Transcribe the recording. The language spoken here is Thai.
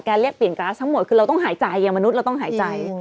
เรียกเปลี่ยนก๊าซทั้งหมดคือเราต้องหายใจอย่างมนุษย์เราต้องหายใจ